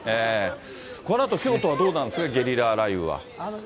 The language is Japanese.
このあと京都はどうなんですか、ゲリラ雷雨は。